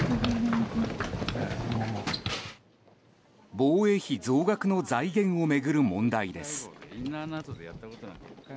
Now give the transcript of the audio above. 防衛費増額の財源を巡る問題です。